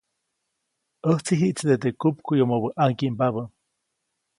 ʼÄjtsi jiʼtside teʼ kupkuʼyomobä ʼaŋgimbabä.